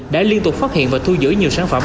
đã liên tục phát hiện và thu giữ nhiều sản phẩm